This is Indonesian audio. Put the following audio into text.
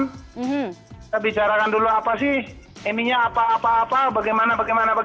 kita bicarakan dulu apa sih eminya apa apa bagaimana bagaimana